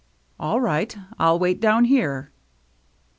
"All right. I'll wait down here."